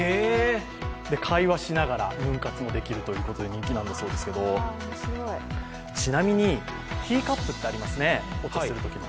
会話しながらヌン活できるということなんですけどちなみに、ティーカップってありますね、お茶するときの。